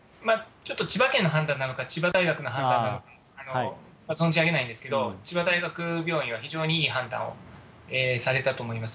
ちょっと千葉県の判断なのか、千葉大学の判断なのか、存じ上げないんですけど、千葉大学病院は、非常にいい判断をされたと思います。